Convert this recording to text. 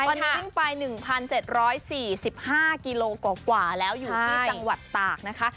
ตอนนี้วิ่งไป๑๗๔๕กิโลกว่าแล้วอยู่ที่จังหวัดตากนะคะ